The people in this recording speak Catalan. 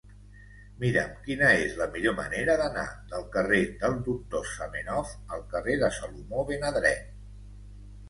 Mira'm quina és la millor manera d'anar del carrer del Doctor Zamenhof al carrer de Salomó ben Adret